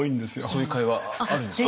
そういう会話あるんですか？